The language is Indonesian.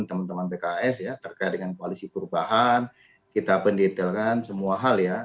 teman teman pks ya terkait dengan koalisi perubahan kita pendetailkan semua hal ya